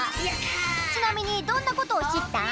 ちなみにどんなことをしったん？